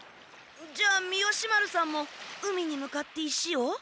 じゃあ舳丸さんも海に向かって石を？